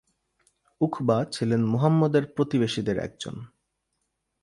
উকবা ছিলেন মুহাম্মদের প্রতিবেশীদের একজন।